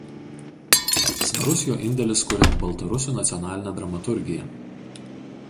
Svarus jo indėlis kuriant baltarusių nacionalinę dramaturgiją.